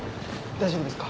大丈夫ですか？